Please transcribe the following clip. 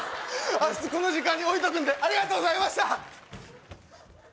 明日この時間に置いとくんでありがとうございました